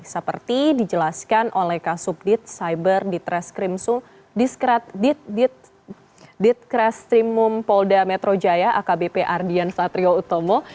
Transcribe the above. seperti dijelaskan oleh kasubdit cyber ditreskrimsum ditkrestimum polda metrojaya akbp ardian satrio utomo